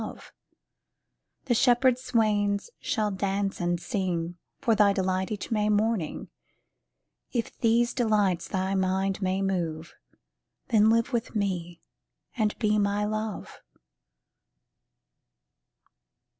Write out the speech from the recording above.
MARLOWE 315 The shepherd swains shall dance and sing For thy delight each May morning : If these delights thy mind may move, Then live with me and be my love.